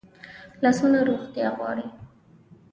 لاسونه روغتیا غواړي